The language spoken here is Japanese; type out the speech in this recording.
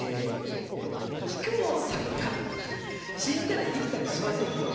「木久扇さんが死んだり生きたりしませんように」。